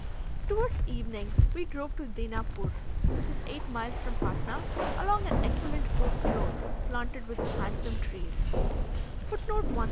Towards evening we drove to Deinapore, which is eight miles from Patna, along an excellent post road, planted with handsome trees.